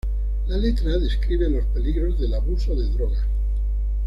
La letra describe los peligros del abuso de drogas.